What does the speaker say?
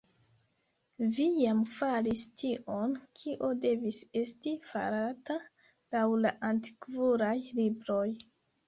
Vi jam faris tion, kio devis esti farata laŭ la Antikvulaj Libroj.